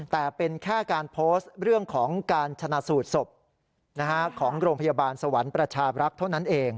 แต่เป็นแค่การโพสต์เรื่องของการชนะสูตรศพของโรงพยาบาลสวรรค์ประชาบรักษ์เท่านั้นเอง